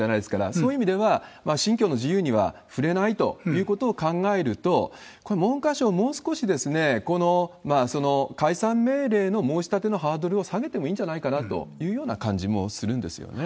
そういう意味では、信教の自由には触れないということを考えると、これ、文科省、もう少し解散命令の申し立てのハードルを下げてもいいんじゃないかなというような感じもするんですよね。